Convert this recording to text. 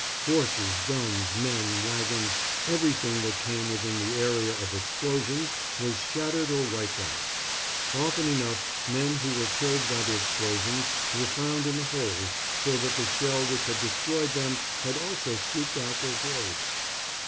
Horses, guns, men, wagons, everything that came within the area of explosions was shattered or wiped out. Often enough men who were killed by the explosions were found in the holes, so that the shell which had destroyed them had also scooped out their grave.